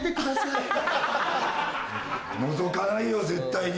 のぞかないよ絶対に。